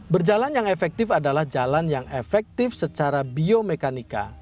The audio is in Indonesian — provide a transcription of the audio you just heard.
berjalan yang efektif adalah jalan yang efektif secara biomekanika